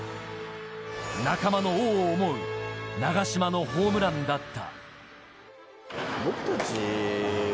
仲間の王を思う長嶋のホームランだった。